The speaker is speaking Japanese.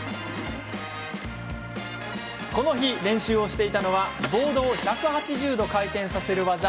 この日、練習をしていたのはボードを１８０度回転させる技。